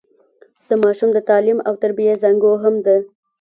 د ماشوم د تعليم او تربيې زانګو هم ده.